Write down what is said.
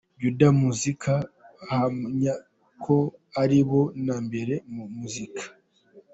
Juda Muzik bahamya ko ari bo na mbere mu muziki.